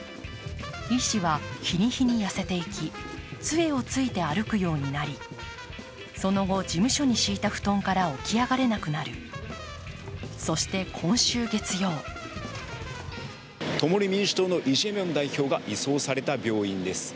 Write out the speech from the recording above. イ氏は日に日に痩せていきつえをついて歩くようになりその後、事務所に敷いた布団から起き上がれなくなる、そして今週月曜共に民主党のイ・ジェミョン代表が移送された病院です。